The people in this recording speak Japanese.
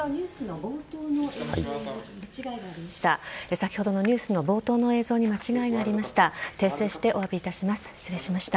先ほどのニュースの冒頭の映像に間違いがありました。